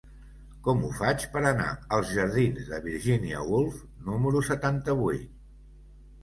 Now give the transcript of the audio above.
Com ho faig per anar als jardins de Virginia Woolf número setanta-vuit?